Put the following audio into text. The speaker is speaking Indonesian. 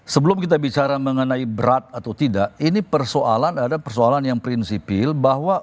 sebelum kita bicara mengenai berat atau tidak ini persoalan ada persoalan yang prinsipil bahwa